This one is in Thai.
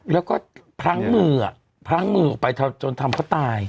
แล้วก็พลั้งมือพลั้งมือออกไปจนทำเขาตาย